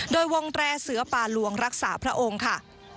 โดยวงแตรเสือป่าลวงรักษาพระองค์ค่ะ